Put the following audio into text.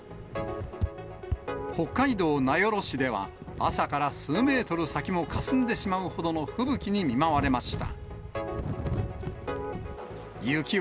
北海道名寄市では、朝から数メートル先もかすんでしまうほどの吹雪に見舞われました。